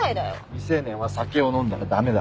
未成年は酒を飲んだら駄目だ。